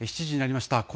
７時になりました。